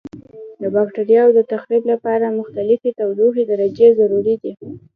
د بکټریاوو د تخریب لپاره مختلفې تودوخې درجې ضروري دي.